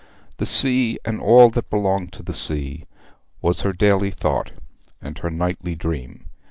The sea and all that belonged to the sea was her daily thought and her nightly dream.